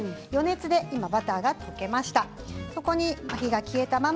余熱でバターが溶けました。